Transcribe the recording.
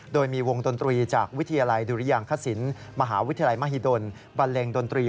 โดยมีวงดนตรีจากวิทยาลัยดุริยางคศิลป์มหาวิทยาลัยมหิดลบันเลงดนตรี